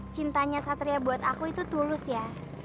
cintanya satria buat aku itu tulus ya